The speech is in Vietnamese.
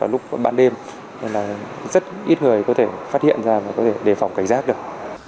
lúc bản đêm rất ít người có thể phát hiện ra và đề phòng cảnh giác được